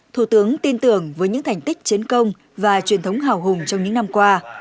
thủ tướng tin tưởng với những thành tích chiến công và truyền thống hào hùng trong những năm qua